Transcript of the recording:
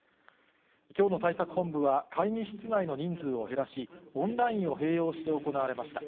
きょうの対策本部は、会議室内の人数を減らし、オンラインを併用して行われました。